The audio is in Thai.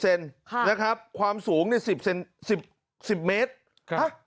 ๘๐เซนค่ะนะครับความสูงเนี่ย๑๐เซน๑๐เซน๑๐เมตรค่ะ